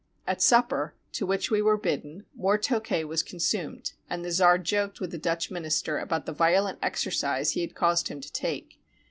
At supper, to which we were bidden, more Tokay was consumed, and the czar joked with the Dutch min ister about the violent exercise he had caused him to take.